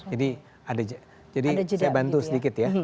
jadi ada jadi saya bantu sedikit ya